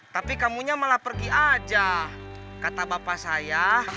tapi kamu nya malah pergi aja kata bapak saya